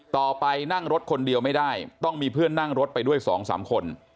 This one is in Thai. ไปนั่งรถคนเดียวไม่ได้ต้องมีเพื่อนนั่งรถไปด้วย๒๓คน